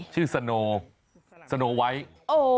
ชื่อสโหนู